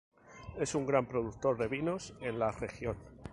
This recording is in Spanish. Es un gran productor de vinos en la región.